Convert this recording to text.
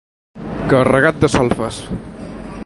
Carregat de solfes.